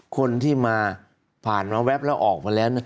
คนที่มาผ่านมาแวบแล้วออกมาแล้ว